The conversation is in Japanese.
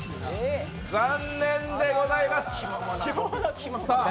残念でございます。